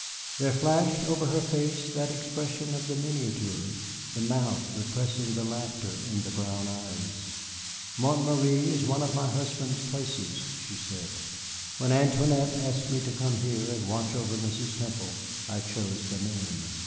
There flashed over her face that expression of the miniature, the mouth repressing the laughter in the brown eyes. "Montméry is one of my husband's places," she said. "When Antoinette asked me to come here and watch over Mrs. Temple, I chose the name."